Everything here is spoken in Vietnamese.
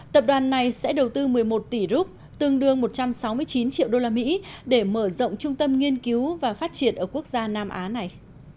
tập đoàn này sẽ đầu tư một mươi một tỷ rút tương đương một trăm sáu mươi chín triệu đô la mỹ để mở rộng trung tâm nghiên cứu và phát triển ở quốc gia nam á này